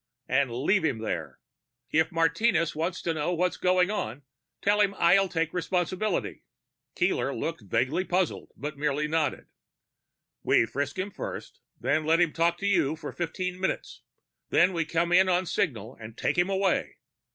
And leave him there. If Martinez wants to know what's going on, tell him I'll take responsibility." Keeler looked vaguely puzzled, but merely nodded. "We frisk him first, then let him talk to you for fifteen minutes. Then we come in on signal and take him away.